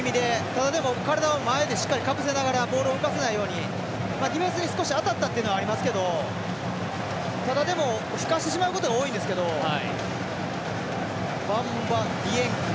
ただ、でも体は前でしっかり隠せながらボールを浮かせないようにディフェンスに少し当たったっていうのはありますけどただ、でもふかしてしまうことが多いんですけどバンバ・ディエング。